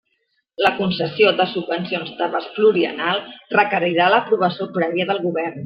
La concessió de subvencions d'abast pluriennal requerirà l'aprovació prèvia del Govern.